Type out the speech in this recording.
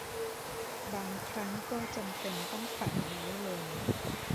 บางครั้งก็จำเป็นต้องฝันน้อยลง